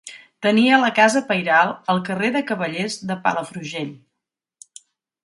Tenia la casa pairal al carrer de Cavallers de Palafrugell.